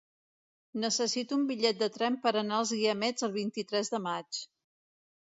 Necessito un bitllet de tren per anar als Guiamets el vint-i-tres de maig.